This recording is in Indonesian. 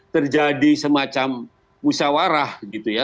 terjadi semacam musyawarah gitu ya